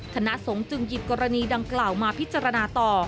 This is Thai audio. คณะสงฆ์จึงหยิบกรณีดังกล่าวมาพิจารณาต่อ